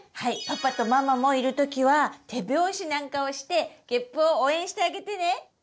パパとママもいる時は手拍子なんかをしてげっぷを応援してあげてね！